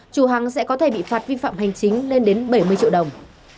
chủ hàng sẽ có thể bị phạt vi phạm hành chính lên đến bảy mươi triệu đồng